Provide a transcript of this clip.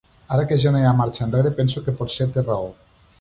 Ara que ja no hi ha marxa enrere penso que potser té raó.